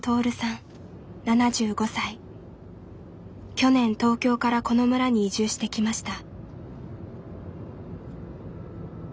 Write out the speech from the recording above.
去年東京からこの村に移住してきました。